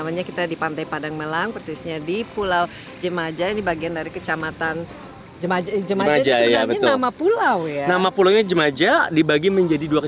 mengetahui kalau sembilan puluh lima lebih dari sembilan puluh lima menjadi muslim